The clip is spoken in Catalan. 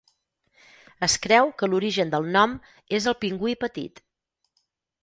Es creu que l'origen del nom és el pingüí petit.